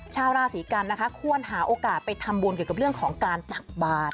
ชาวราศีกันนะคะควรหาโอกาสไปทำบุญเกี่ยวกับเรื่องของการตักบาท